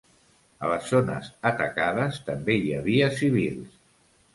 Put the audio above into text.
A les zones atacades, també hi havia civils.